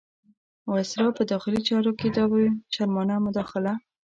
وایسرا په داخلي چارو کې دا بې شرمانه مداخله.